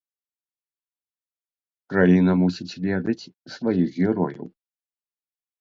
Краіна мусіць ведаць сваіх герояў!